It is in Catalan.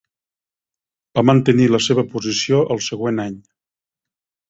Va mantenir la seva posició al següent any.